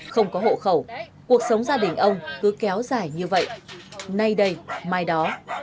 không có hộ khẩu cuộc sống gia đình ông cứ kéo dài như vậy nay đây mai đó